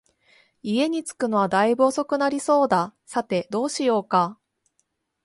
家に着くのは大分遅くなりそうだ、さて、どうしようか